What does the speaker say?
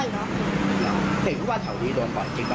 ได้เพราะว่าแถวนี้โดนกว่า